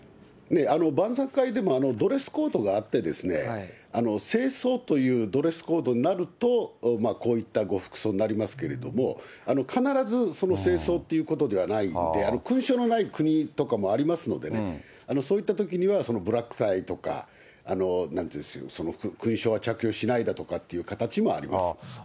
晩さん会でもドレスコードがあってですね、正装というドレスコードになると、こういったご服装になりますけれども、必ず正装ということではないので、勲章のない国とかもありますのでね、そういったときには、ブラックタイとか、なんていうんですか、勲章は着用しないだとかいった形もあります。